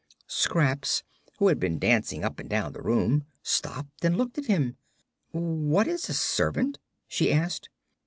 Scraps, who had been dancing up and down the room, stopped and looked at him. "What is a servant?" she asked.